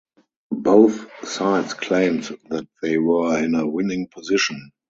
Both sides claimed that they were in a winning position.